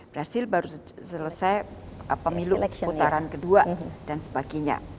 brazil baru selesai pemilu putaran kedua dan sebagainya